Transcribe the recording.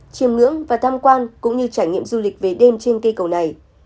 chìm lưỡng và tham quan cũng như trải nghiệm du lịch về đêm trên cây cầu này